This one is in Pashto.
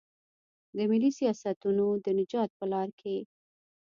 د ملي سیاستونو د نجات په لار کې.